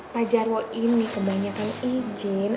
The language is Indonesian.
pajarwo ini kebanyakan izin